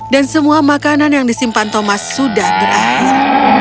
dan semua makanan yang disimpan thomas sudah berakhir